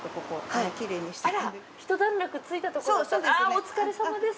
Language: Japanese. お疲れさまです。